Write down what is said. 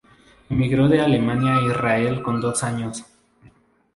Emigró de Alemania a Israel con dos años.